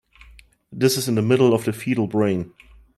This is in the middle of the fetal brain.